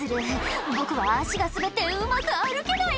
「僕は足が滑ってうまく歩けない」